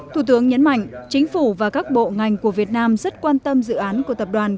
thủ tướng nhấn mạnh chính phủ và các bộ ngành của việt nam rất quan tâm dự án của tập đoàn